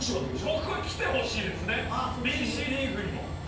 僕は来てほしいですねＢＣリーグにも。